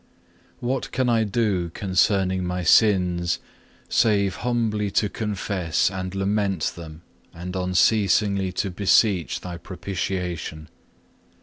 3. What can I do concerning my sins, save humbly to confess and lament them and unceasingly to beseech Thy propitiation?